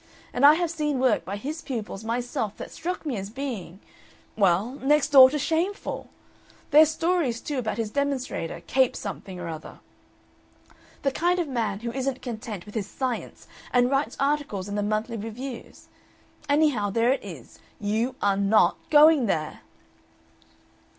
And I have seen work by his pupils myself that struck me as being well, next door to shameful. There's stories, too, about his demonstrator, Capes Something or other. The kind of man who isn't content with his science, and writes articles in the monthly reviews. Anyhow, there it is: YOU ARE NOT GOING THERE."